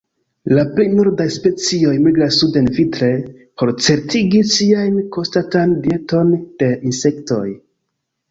La pli nordaj specioj migras suden vintre, por certigi siajn konstantan dieton de insektoj.